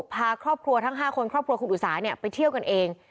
พาครอบครัวทั้ง๕คนครอบครัวคุณอุสาไปเที่ยวกันเอง